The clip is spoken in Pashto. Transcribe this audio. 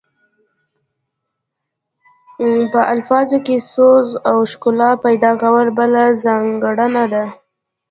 په الفاظو کې سوز او ښکلا پیدا کول بله ځانګړنه ده